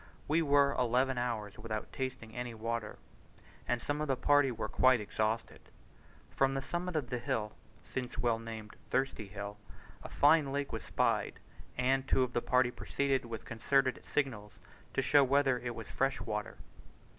We were eleven hours without tasting any water, and some of the party were quite exhausted. From the summit of a hill (since well named Thirsty Hill) a fine lake was spied, and two of the party proceeded with concerted signals to show whether it was fresh water.